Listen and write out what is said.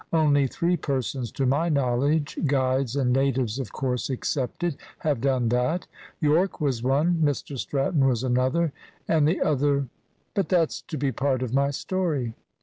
Only three persons, to my knowledge (guides and natives of course excepted), have done that. Yorke was one, Mr Stratton was another, and the other but that's to be part of my story.